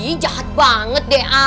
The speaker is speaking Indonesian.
ih jahat banget deh